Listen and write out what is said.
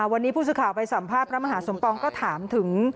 วันนี้ผู้สื่อข่าวไปสัมภาษณ์พระมหาสมปองก็ถามถึง